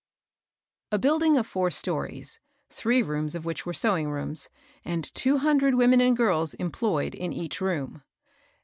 BUILDING of four stories, three rooms of which were sewing rooms, and two hun dred women and girls employed in each room.